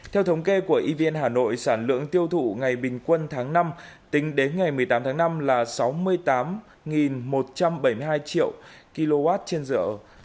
theo thống kê của evn hà nội sản lượng tiêu thụ ngày bình quân tháng năm tính đến ngày một mươi tám tháng năm là sáu mươi tám một trăm bảy mươi hai triệu kw trên rượu